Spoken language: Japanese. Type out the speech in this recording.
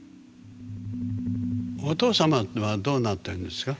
お父様はどうなってるんですか？